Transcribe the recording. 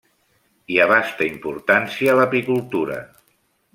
Hi abasta importància l'apicultura.